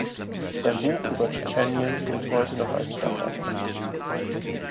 Sein Buch über Tschetschenien gilt heute noch als Standardwerk.